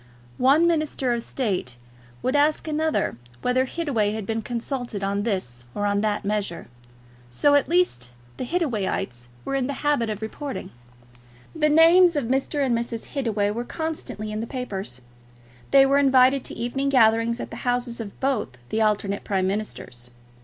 One minister of State would ask another whether Hittaway had been consulted on this or on that measure; so at least the Hittawayites were in the habit of reporting. The names of Mr. and Mrs. Hittaway were constantly in the papers. They were invited to evening gatherings at the houses of both the alternate Prime Ministers.